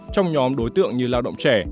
trong nhóm đối tượng như lao động trẻ